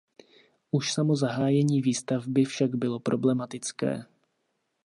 Už samo zahájení výstavby však bylo problematické.